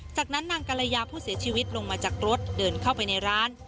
จากนั้นนางกรยาผู้เสียชีวิตลงมาจากรถเดินเข้าไปในร้าน